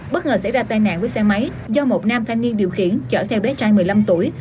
bất ngờ xảy ra tai nạn với xe máy do một nam thanh niên điều khiển chở theo bé trai một mươi năm tuổi